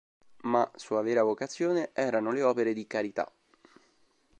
Ma sua vera vocazione erano le opere di carità.